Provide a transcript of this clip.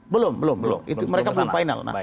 belum belum belum mereka belum final